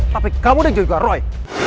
tapi kamu dan juga roy